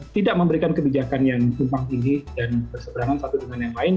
tidak memberikan kebijakan yang tumpang ini dan berseberangan satu dengan yang lain